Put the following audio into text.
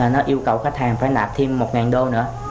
nó yêu cầu khách hàng phải nạp thêm một đô nữa